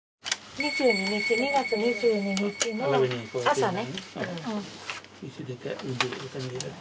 ２２日２月２２日の朝ね。